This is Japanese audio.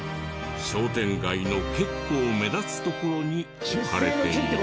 商店街の結構目立つ所に置かれている。